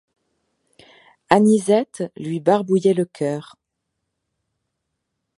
L'anisette lui barbouillait le coeur.